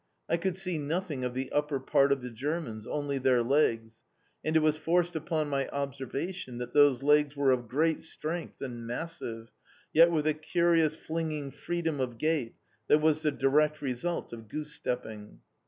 I could see nothing of the upper part of the Germans, only their legs, and it was forced upon my observation that those legs were of great strength and massive, yet with a curious flinging freedom of gait, that was the direct result of goose stepping.